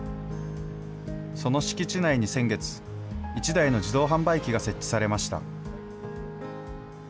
その敷地内に先月、１台の自動販売機が設置されました。